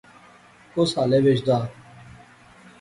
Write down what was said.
کس حالے وچ دا